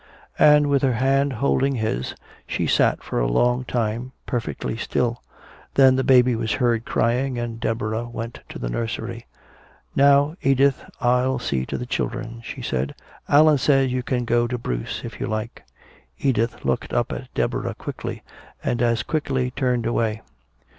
And with her hand holding his, she sat for a long time perfectly still. Then the baby was heard crying, and Deborah went to the nursery. "Now, Edith, I'll see to the children," she said. "Allan says you can go to Bruce if you like." Edith looked up at Deborah quickly, and as quickly turned away.